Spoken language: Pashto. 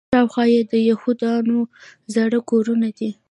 شاوخوا یې د یهودانو زاړه کورونه دي.